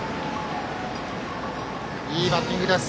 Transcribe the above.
いいバッティングです。